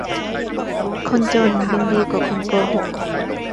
คนจนยังดีกว่าคนโกหก